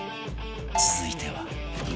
続いては